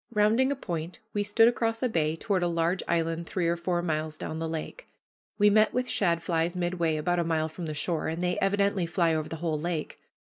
Rounding a point, we stood across a bay toward a large island three or four miles down the lake. We met with shadflies midway, about a mile from the shore, and they evidently fly over the whole lake.